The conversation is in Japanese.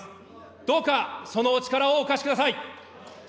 どうか、そのお力をお貸しください。